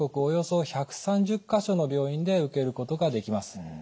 およそ１３０か所の病院で受けることができます。